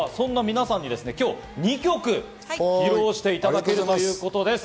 そんな皆さんに今日は２曲披露していただけるということです。